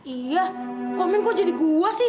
iya komen kita jadi gua sih